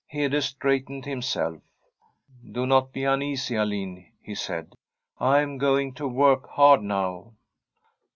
Hede straightened himself. * Do not be uneasy, Alin,' he said ;* I am going to work hard now.'